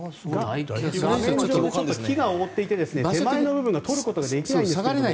木が覆っていて手前の部分を撮ることができないんですが。